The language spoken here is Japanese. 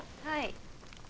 はい。